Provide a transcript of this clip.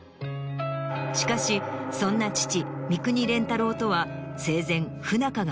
しかしそんな父三國連太郎とは生前。